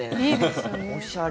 おしゃれ。